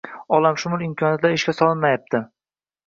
olamshumul imkoniyatlar ishga solinmayapti?